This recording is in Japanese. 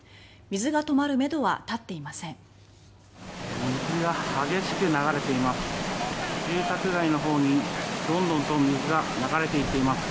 水が止まるめどは立っていません。